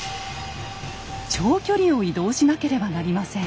長距離を移動しなければなりません。